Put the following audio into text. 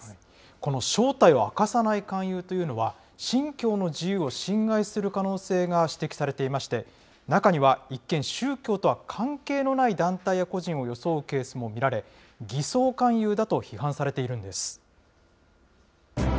この正体を明かさない勧誘というのは、信教の自由を侵害する可能性が指摘されていまして、中には一見、宗教とは関係のない団体や個人を装うケースも見られ、偽装勧誘だと批判されているんです。